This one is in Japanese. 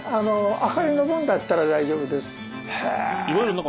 明かりの分だったら大丈夫です。